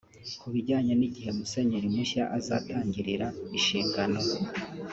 Ku bijyanye n’igihe Musenyeri mushya azatangirira inshingano